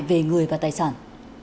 về người và tài sản